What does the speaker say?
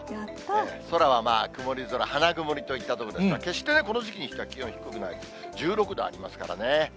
空は曇り空、花曇りといったところですが、決して、この時期にしては気温低くない、１６度ありますからね。